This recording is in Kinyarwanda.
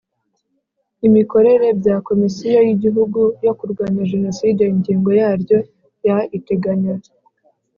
Imikorere bya komisiyo y igihugu yo kurwanya jenoside ingingo yaryo ya iteganya